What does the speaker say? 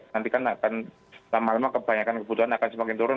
nanti kan akan lama lama kebanyakan kebutuhan akan semakin turun